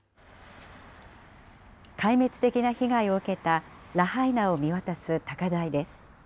壊滅的な被害を受けたラハイナを見渡す高台です。